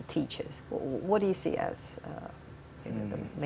apa yang kamu lihat sebagai masalah utama